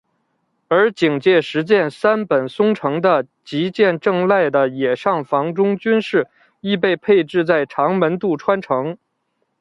而警戒石见三本松城的吉见正赖的野上房忠军势亦被配置在长门渡川城。